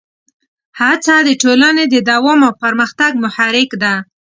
هڅه د ټولنې د دوام او پرمختګ محرک ده.